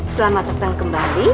selamat datang kembali